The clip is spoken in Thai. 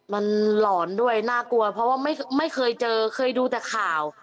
มันหลอนด้วยน่ากลัวเพราะว่าไม่เคยเจอเคยดูแต่ข่าว